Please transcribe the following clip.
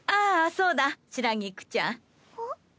そうだ白菊ちゃんん？